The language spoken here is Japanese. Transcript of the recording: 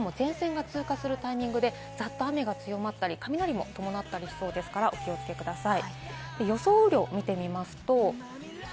その他も前線が通過するタイミングでざっと雨が強まったり、雷も伴ったりしそうですから、お気をつけください。